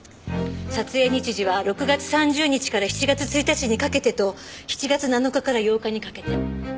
撮影日時は６月３０日から７月１日にかけてと７月７日から８日にかけて。